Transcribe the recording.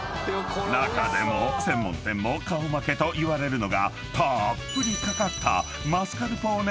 ［中でも専門店も顔負けといわれるのがたーっぷり掛かった］